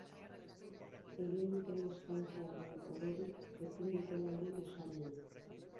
Egin duten eskaintza baino hoberik ezin dutela egin esan du.